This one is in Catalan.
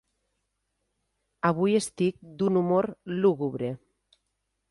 Avui estic d'un humor lúgubre.